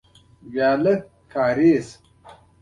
بهلول سمدستي ځواب ورکړ: هو.